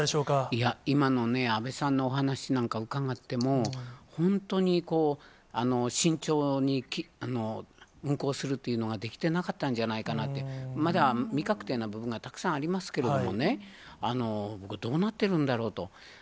いや、今のね、安倍さんのお話なんか伺っても、本当にこう、慎重に運航するというのができてなかったんじゃないかなって、まだ未確定な部分がたくさんありますけれどもね、どうなってるんだろうと。